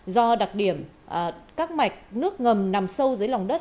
do đặc điểm các mạch nước ngầm nằm sâu dưới lòng đất